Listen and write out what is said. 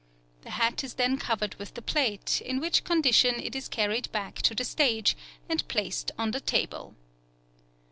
The hat is then covered with the plate, in which condition it is carried back to the stage, and placed on the table.